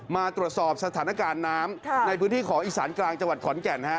มาตรวจสอบสถานการณ์น้ำในพื้นที่ของอีสานกลางจังหวัดขอนแก่น